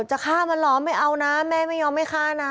จะฆ่ามันเหรอไม่เอานะแม่ไม่ยอมให้ฆ่านะ